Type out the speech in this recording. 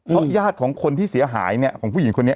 เพราะญาติของคนที่เสียหายเนี่ยของผู้หญิงคนนี้